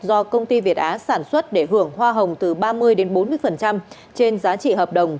do công ty việt á sản xuất để hưởng hoa hồng từ ba mươi đến bốn mươi trên giá trị hợp đồng